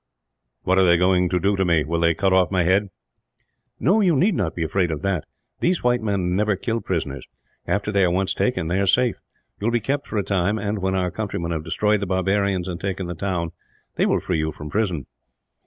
"What are they going to do to me. Will they cut off my head?" "No, you need not be afraid of that. These white men never kill prisoners. After they are once taken, they are safe. You will be kept for a time and, when our countrymen have destroyed the barbarians and taken the town, they will free you from prison.